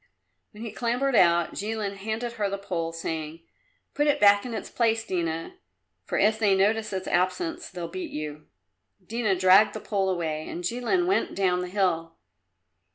When he clambered out Jilin handed her the pole, saying, "Put it back in its place, Dina, for if they notice its absence they'll beat you." Dina dragged the pole away, and Jilin went down the hill.